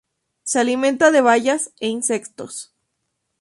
Se alimenta de bayas e insectos.